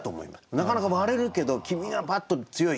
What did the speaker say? なかなか割れるけど黄身がパッと強い。